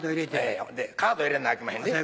カード入れなあきまへんで。